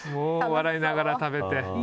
笑いながら食べて。